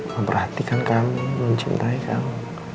memperhatikan kamu mencintai kamu